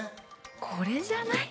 これじゃない？